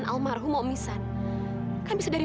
buat diri sendiri